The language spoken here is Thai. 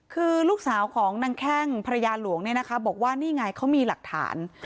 คือลูกสาวของนางแข้งภรรยาหลวงเนี่ยนะคะบอกว่านี่ไงเขามีหลักฐาน